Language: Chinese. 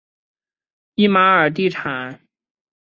伊玛尔地产。